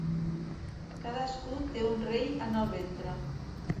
Cadascú té un rei en el ventre.